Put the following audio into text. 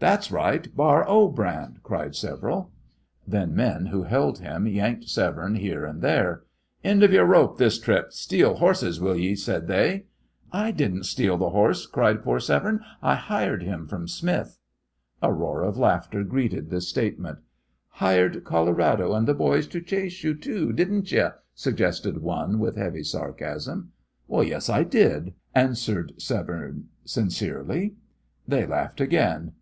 "That's right! Bar O brand!" cried several. Then men who held him yanked Severne here and there. "End of yore rope this trip! Steal hosses, will ye!" said they. "I didn't steal the horse!" cried poor Severne; "I hired him from Smith." A roar of laughter greeted this statement. "Hired Colorado and the boys to chase you, too, didn't ye!" suggested one, with heavy sarcasm. "Yes, I did," answered Severne, sincerely. They laughed again.